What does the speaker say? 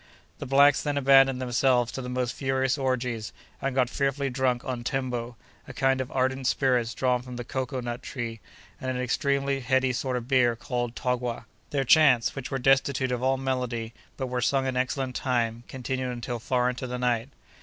The blacks then abandoned themselves to the most furious orgies, and got fearfully drunk on "tembo," a kind of ardent spirits drawn from the cocoa nut tree, and an extremely heady sort of beer called "togwa." Their chants, which were destitute of all melody, but were sung in excellent time, continued until far into the night.